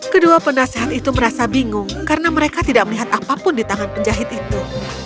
kedua penasehat itu merasa bingung karena mereka tidak melihat apapun di tangan penjahit itu